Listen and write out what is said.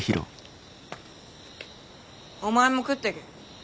お前も食ってけ。